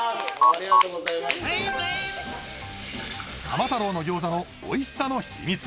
浜太郎の餃子のおいしさの秘密